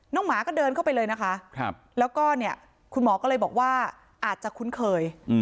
หมาก็เดินเข้าไปเลยนะคะแล้วก็เนี่ยคุณหมอก็เลยบอกว่าอาจจะคุ้นเคย